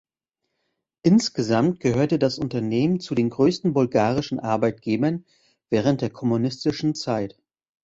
Insgesamt gehörte das Unternehmen zu den größten bulgarischen Arbeitgebern während der Kommunistischen Zeit.